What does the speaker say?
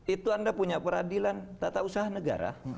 itu anda punya peradilan tata usaha negara